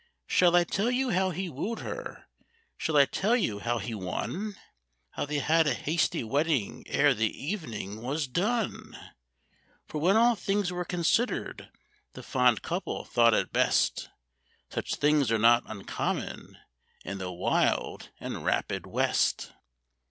Shall I tell you how he wooed her? shall I tell you how he won? How they had a hasty wedding ere the evening was done? For when all things were considered, the fond couple thought it best— Such things are not uncommon in the wild and rapid West.